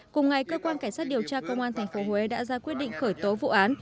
cùng ngày cơ quan cảnh sát điều tra công an tp huế đã ra quyết định khởi tố vụ án